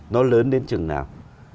nó lớn đến chừng nào